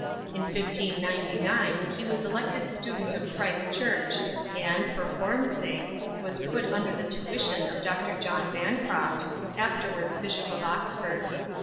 In 1599 he was elected student of Christ Church, and, for form's sake, was put under the tuition of Dr. John Bancroft, afterwards Bishop of Oxford.